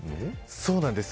そうなんです。